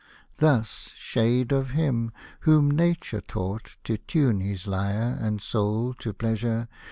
Thus, shade of him, whom Nature taught To tune his lyre and soul to pleasure.